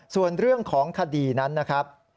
ส่วนเรื่องของคดีนั้นนะครับ